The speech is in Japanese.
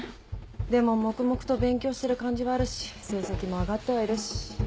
でも黙々と勉強してる感じはあるし成績も上がってはいるし。